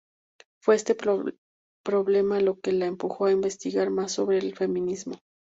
Fue este problema lo que la empujó a investigar más sobre el feminismo.